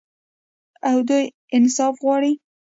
او دوی انصاف غواړي.